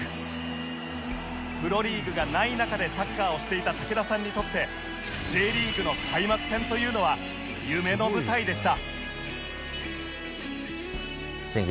プロリーグがない中でサッカーをしていた武田さんにとって Ｊ リーグの開幕戦というのは夢の舞台でした